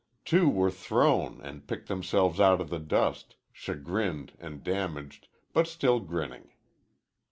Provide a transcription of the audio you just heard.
Two were thrown and picked themselves out of the dust, chagrined and damaged, but still grinning.